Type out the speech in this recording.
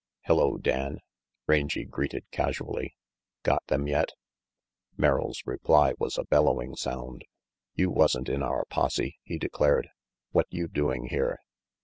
"Hello, Dan," Rangy greeted casually. "Got them yet?" 152 RANGY PETE Merrill's reply was a bellowing sound. "You wasn't in our posse," he declared. "What you doing here?"